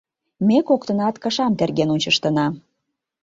Ме коктынат кышам терген ончыштына.